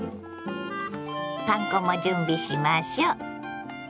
パン粉も準備しましょう。